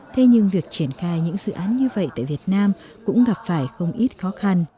thế nhưng việc triển khai những dự án như vậy tại việt nam cũng gặp phải không ít khó khăn